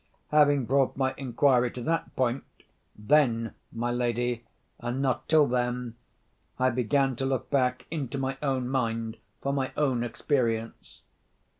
Having brought my inquiry to that point—then, my lady, and not till then, I begin to look back into my own mind for my own experience.